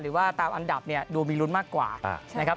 หรือว่าตามอันดับเนี่ยดูมีลุ้นมากกว่านะครับ